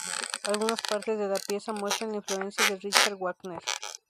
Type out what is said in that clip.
Algunas partes de la pieza muestran la influencia de Richard Wagner.